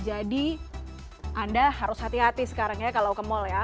anda harus hati hati sekarang ya kalau ke mal ya